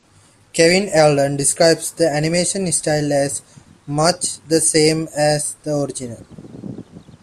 Kevin Eldon describes the animation style as 'much the same as the original'.